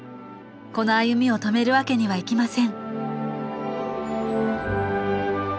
この歩みを止めるわけにはいきません